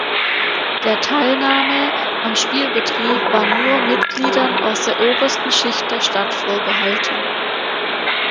Der Teilnahme am Spielbetrieb war nur Mitgliedern aus der obersten Schicht der Stadt vorbehalten.